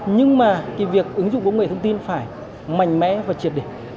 nhưng mà việc ứng dụng công nghệ thông tin phải mạnh mẽ và triệt định